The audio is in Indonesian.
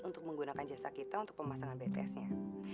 untuk menggunakan jasa kita untuk pemasangan bts nya